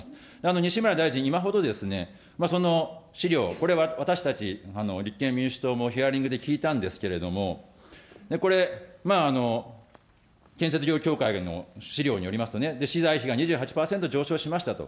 西村大臣、今ほど、その資料、これ私たち立憲民主党もヒアリングで聞いたんですけれども、これ、建設業協会の資料によりますとね、資材費が２８％上昇しましたと。